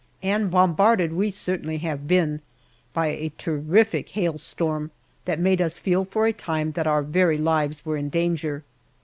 And bombarded we certainly have been by a terrific hailstorm that made us feel for a time that our very lives were in danger.